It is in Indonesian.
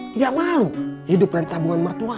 tidak malu hidup dari tabungan mertua